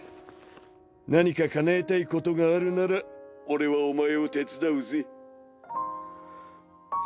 何かかなえたいことがあるなら俺はお前を手伝うぜ。